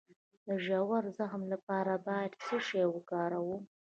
د ژور زخم لپاره باید څه شی وکاروم؟